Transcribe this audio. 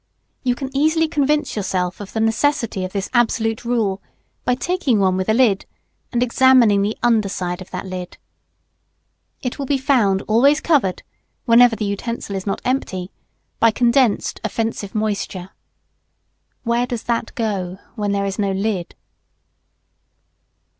You can easily convince yourself of the necessity of this absolute rule, by taking one with a lid, and examining the under side of that lid. It will be found always covered, whenever the utensil is not empty, by condensed offensive moisture. Where does that go, when there is no lid?